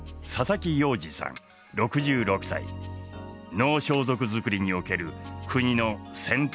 能装束作りにおける国の選定